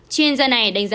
chuyên gia này đánh giá